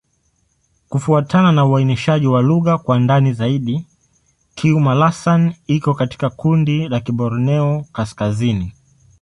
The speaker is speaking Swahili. Kufuatana na uainishaji wa lugha kwa ndani zaidi, Kiuma'-Lasan iko katika kundi la Kiborneo-Kaskazini.